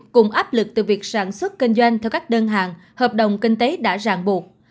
cùng áp lực từ việc sản xuất kinh doanh theo các đơn hàng hợp đồng kinh tế đã ràng buộc